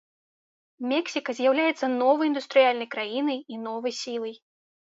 Мексіка з'яўляецца новай індустрыяльнай краінай і новай сілай.